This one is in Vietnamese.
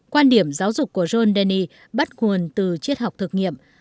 quan điểm giáo dục của john donay bắt nguồn từ triết học thực nghiệm